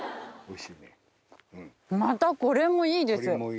またこれもいいです。